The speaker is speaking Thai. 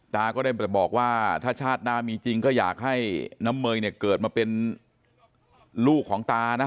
ตาก็ได้บอกว่าถ้าชาติหน้ามีจริงก็อยากให้น้ำเมยเนี่ยเกิดมาเป็นลูกของตานะ